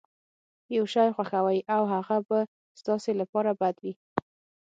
يو شی خوښوئ او هغه به ستاسې لپاره بد وي.